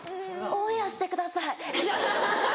オンエアしてくださいアハハハ。